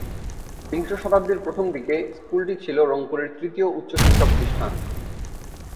বিংশ শতাব্দীর প্রথম দিকে স্কুলটি ছিল রংপুরের তৃতীয় উচ্চ শিক্ষা প্রতিষ্ঠান।